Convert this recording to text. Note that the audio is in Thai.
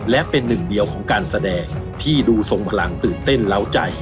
และเป็นหนึ่งเดียวของการแสดงที่ดูทรงพลังตื่นเต้นเล้าใจ